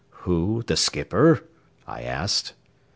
"Who, the skipper?" I asked.